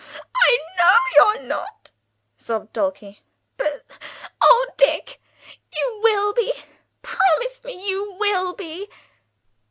"I know you're not!" sobbed Dulcie. "But oh, Dick, you will be. Promise me you will be!"